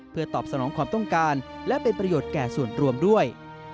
เพื่อตอบสนองความต้องการและเป็นประโยชน์แก่ส่วนรวมด้วย